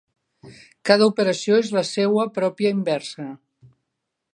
Cada operació és la seua pròpia inversa.